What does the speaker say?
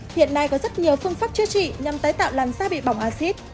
hiện nay có rất nhiều phương pháp chữa trị nhằm tái tạo làn xa bị bỏng axit